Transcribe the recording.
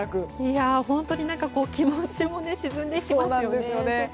本当に気持ちも沈んでいきますよね。